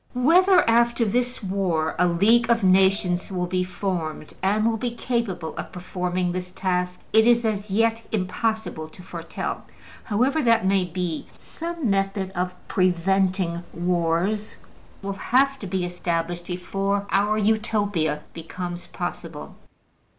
Whether, after this war, a League of Nations will be formed, and will be capable of performing this task, it is as yet impossible to foretell. However that may be, some method of preventing wars will have to be established before our Utopia becomes possible.